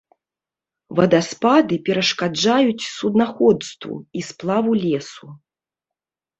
Вадаспады перашкаджаюць суднаходству і сплаву лесу.